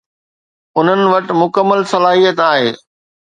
انهن وٽ مڪمل صلاحيت آهي